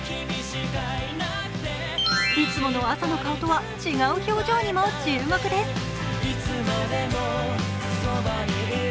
いつもの朝の顔とは違う表情にも注目です。